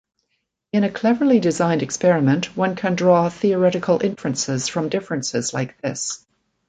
In a cleverly designed experiment, one can draw theoretical inferences from differences like this.